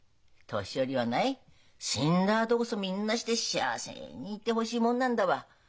年寄りはない死んだあとこそみんなして幸せにいてほしいもんなんだわ。